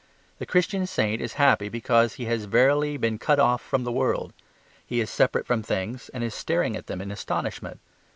The Christian saint is happy because he has verily been cut off from the world; he is separate from things and is staring at them in astonishment.